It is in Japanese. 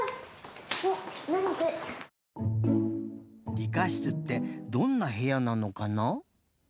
理科室ってどんなへやなのかな？